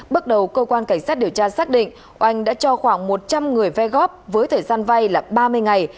bước đầu cơ quan cảnh sát điều tra xác định oanh đã cho khoảng một trăm linh người vay góp với thời gian vay là ba mươi ngày